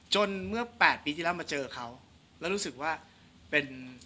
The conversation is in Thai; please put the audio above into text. เมื่อ๘ปีที่แล้วมาเจอเขาแล้วรู้สึกว่าเป็น